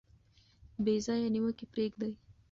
بې ځایه نیوکې پریږدئ.